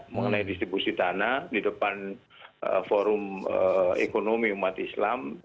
mengenai distribusi tanah di depan forum ekonomi umat islam